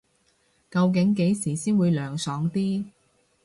究竟幾時先會涼爽啲